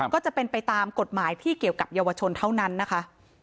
ก็จะเป็นไปตามกฎหมายที่เกี่ยวกับเยาวชนเท่านั้นนะคะ